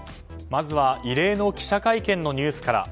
まずは異例の記者会見のニュースから。